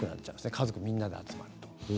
家族みんなが集まると。